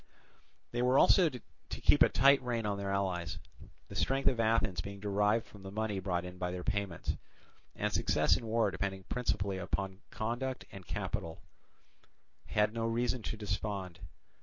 They were also to keep a tight rein on their allies—the strength of Athens being derived from the money brought in by their payments, and success in war depending principally upon conduct and capital, had no reason to despond.